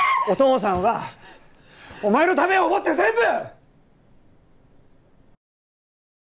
お父さんはおまえのためを思って全部！